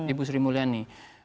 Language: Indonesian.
ibu sri mulyani